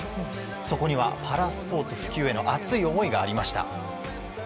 そこにはパラスポーツ普及への熱い思いがありました。